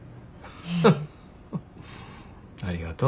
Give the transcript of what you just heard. フフありがとう。